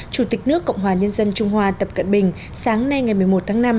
chủ tịch nước cộng hòa nhân dân trung hoa tập cận bình sáng nay ngày một mươi một tháng năm